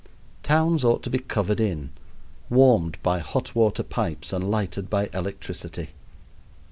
Towns ought to be covered in, warmed by hot water pipes, and lighted by electricity.